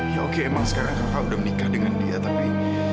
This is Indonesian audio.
ya oke emang sekarang udah menikah dengan dia tapi